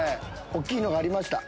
大きいのがありました。